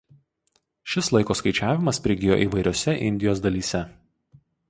Šis laiko skaičiavimas prigijo įvairiose Indijos dalyse.